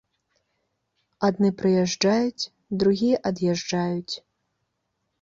Адны прыязджаюць, другія ад'язджаюць.